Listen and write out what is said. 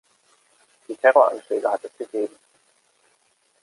Die Terroranschläge hat es gegeben.